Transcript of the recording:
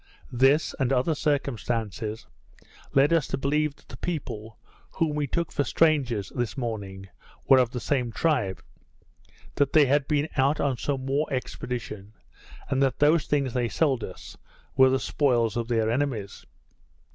This, and other circumstances, led us to believe that the people, whom we took for strangers this morning, were of the same tribe; that they had been out on some war expedition; and that those things they sold us, were the spoils of their enemies.